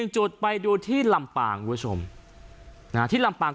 จุดโน้นสัญรามปาง